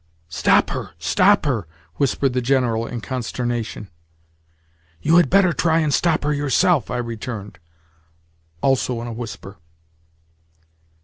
"Stop her, stop her," whispered the General in consternation. "You had better try and stop her yourself," I returned—also in a whisper.